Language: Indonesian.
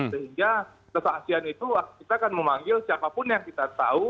sehingga kesaksian itu kita akan memanggil siapapun yang kita tahu